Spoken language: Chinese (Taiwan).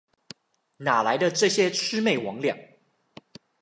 哪來的這些魑魅魍魎？